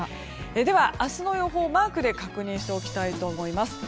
明日の予報をマークで確認しておきたいと思います。